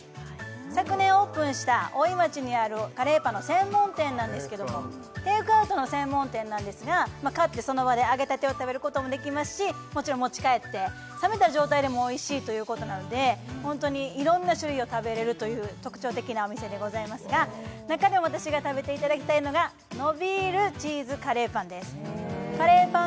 昨年オープンした大井町にあるカレーパンの専門店なんですけどもテイクアウトの専門店なんですが買ってその場で揚げたてを食べることもできますしもちろん持ち帰って冷めた状態でもおいしいということなのでホントにいろんな種類を食べれるという特徴的なお店でございますが中でも私が食べていただきたいのがのびるチーズカレーパンですカレーパン